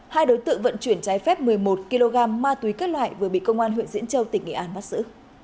hai đối tượng vận chuyển trái phép một mươi một kg ma túy các loại vừa bị công an huyện diễn châu tỉnh nghệ an bắt giữ